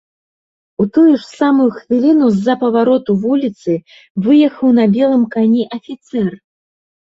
У тую ж самую хвіліну з-за павароту вуліцы выехаў на белым кані афіцэр.